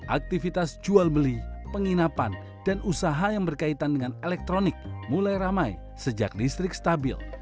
aktivitas jual beli penginapan dan usaha yang berkaitan dengan elektronik mulai ramai sejak listrik stabil